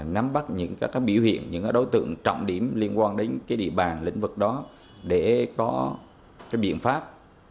nắm bắt những biểu hiện những đối tượng trọng điểm liên quan đến địa bàn lĩnh vực đó để có biện pháp